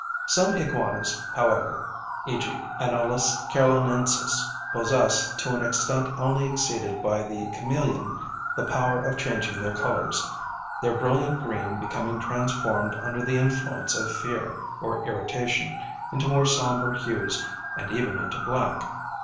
Some iguanas, however (e.g. Anolis carolinensis), possess, to an extent only exceeded by the chameleon, the power of changing their colours, their brilliant green becoming transformed under the influence of fear or irritation, into more sombre hues and even into black.